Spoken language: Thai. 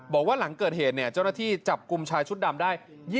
บอกว่าหลังเกิดเหตุเจ้าหน้าที่จับกลุ่มชายชุดดำได้